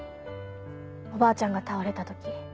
おばあちゃんが倒れた時。